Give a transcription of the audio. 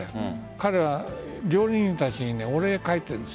彼は料理人たちにお礼を書いてるんです。